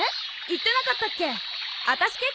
言ってなかったっけ？